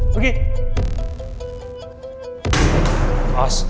gapain masih di sini